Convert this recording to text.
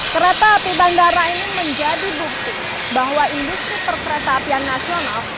kereta api bandara ini menjadi bukti bahwa industri perkereta apian nasional